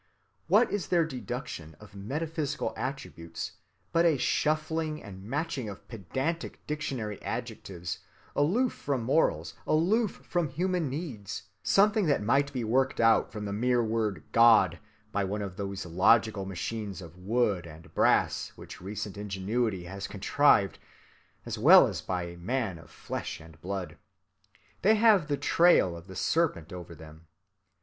What is their deduction of metaphysical attributes but a shuffling and matching of pedantic dictionary‐adjectives, aloof from morals, aloof from human needs, something that might be worked out from the mere word "God" by one of those logical machines of wood and brass which recent ingenuity has contrived as well as by a man of flesh and blood. They have the trail of the serpent over them.